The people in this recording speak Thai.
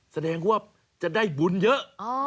แสดงว่าจะได้บุญเยอะ